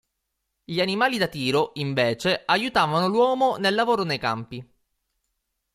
Gli animali da tiro, invece, aiutavano l'uomo nel lavoro nei campi.